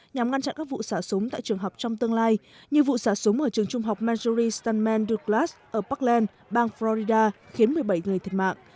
nhằm ngăn chặn các vụ xả súng tại trường học trong tương lai như vụ xả súng ở trường trung học missouri stanman douglas ở parkland bang florida khiến một mươi bảy người thiệt mạng